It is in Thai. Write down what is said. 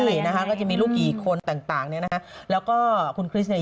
อะไรอย่างไรนะคะก็จะมีลูกหญิงคนต่างต่างเนี้ยนะคะแล้วก็คุณคริสเนี่ย